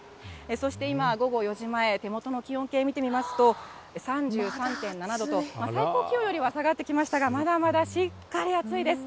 そして今、午後４時前、手元の気温計見てみますと、３３．７度、最高気温よりは下がってきましたが、まだまだしっかり暑いです。